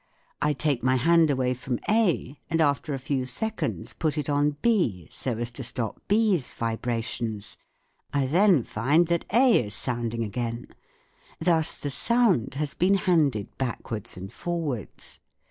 I take my hand away from A and after a few seconds put it on B so as to stop B's vibrations. I then find that A is sounding again. Thus the sound has been handed backwards and forwards.